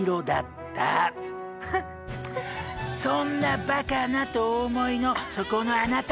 そんなバカな！とお思いのそこのあなた。